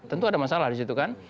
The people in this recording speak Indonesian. tentu ada masalah disitu kan